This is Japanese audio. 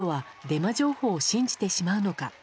なぜ、人々はデマ情報を信じてしまうのか。